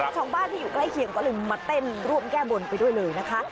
ชาวบ้านที่อยู่ใกล้เคียงก็เลยมาเต้นร่วมแก้บนไปด้วยเลยนะคะ